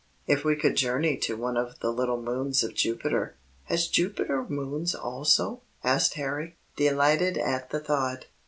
If we could journey to one of the little moons of Jupiter " "Has Jupiter moons also?" asked Harry, delighted at the thought.